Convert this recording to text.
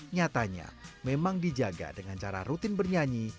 nyatanya memang dijaga dengan cara rutin bernyanyi